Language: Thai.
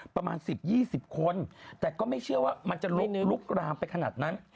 ประมาณ๑๐๒๐คนแต่ก็ไม่เชื่อว่ามันจะลุกรามไปขนาดนั้น